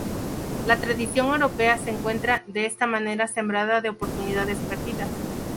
La tradición europea se encuentra, de esta manera, sembrada de oportunidades perdidas.